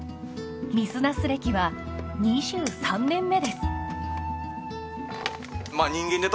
水ナス歴は２３年目です。